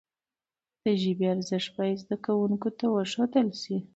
د ژبي ارزښت باید زدهکوونکو ته وښودل سي.